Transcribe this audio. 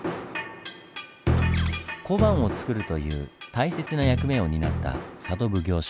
小判を作るという大切な役目を担った佐渡奉行所。